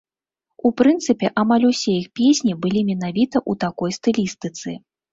У прынцыпе, амаль усе іх песні былі менавіта ў такой стылістыцы.